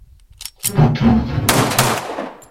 De quelle ville êtes-vous ?